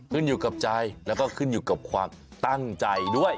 ขึ้นอยู่กับใจแล้วก็ขึ้นอยู่กับความตั้งใจด้วย